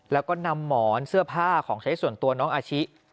แล้วก็นำหมอนเสื้อผ้าของใช้ส่วนตัวน้องอาชิ